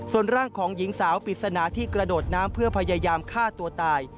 ส่วนร่างของหญิงสาวปริศนาที่กระโดดน้ำเพื่อพยายามฆ่าตัวตาย